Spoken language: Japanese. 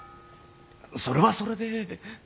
それはそれで。